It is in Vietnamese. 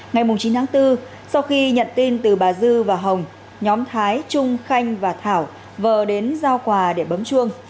ngày chín tháng bốn sau khi nhận tin từ bà dư và hồng nhóm thái trung khanh và thảo vờ đến giao quà để bấm chuông